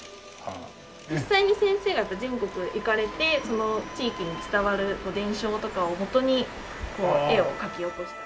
実際に先生が全国へ行かれてその地域に伝わる伝承とかをもとにこう絵を描き起こした。